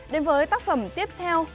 đến với tác phẩm tiếp theo